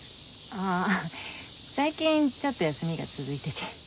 ああ最近ちょっと休みが続いてて。